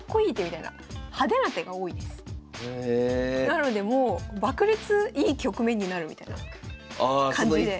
なのでもう爆裂いい局面になるみたいな感じで。